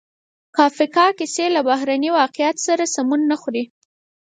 د کافکا کیسې له بهرني واقعیت سره سمون نه خوري.